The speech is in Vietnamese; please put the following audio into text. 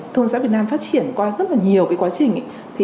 thôn giáo việt nam phát triển qua rất nhiều quá trình